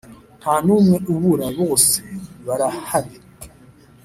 Nta numwe ubura bose barahari